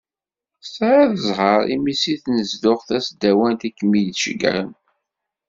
Tesɛiḍ zher imi seg tnezduɣt tasdawant i kem-id-ceggɛen.